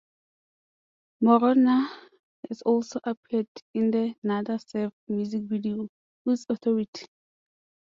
Maronna has also appeared in the Nada Surf music video "Whose Authority".